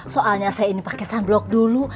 soalnya saya ini pakai sunblock dulu